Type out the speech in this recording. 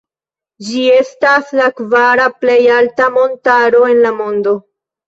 Ĝi estas la kvara plej alta montaro en la mondo.